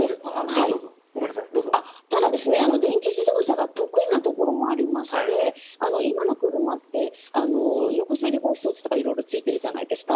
ただ、電気自動車が得意なところもありまして今の車って横滑り防止装置とか色々ついているじゃないですか。